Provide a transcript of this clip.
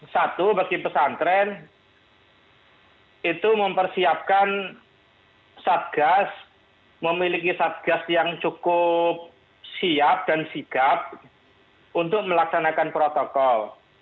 satu bagi pesantren itu mempersiapkan satgas memiliki satgas yang cukup siap dan sigap untuk melaksanakan protokol